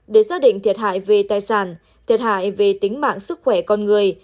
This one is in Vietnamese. để xác định thiệt hại về tài sản thiệt hại về tính mạng sức khỏe con người